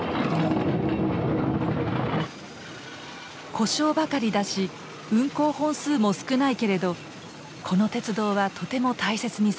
故障ばかりだし運行本数も少ないけれどこの鉄道はとても大切にされている。